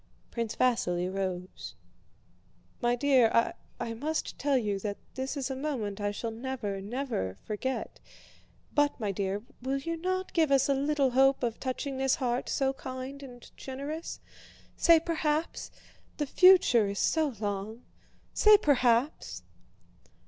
Prince Vasíli rose. "My dear, I must tell you that this is a moment I shall never, never forget. But, my dear, will you not give us a little hope of touching this heart, so kind and generous? Say 'perhaps'... The future is so long. Say 'perhaps.